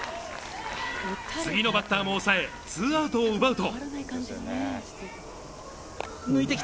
次のバッターも抑えツーアウトを奪うと。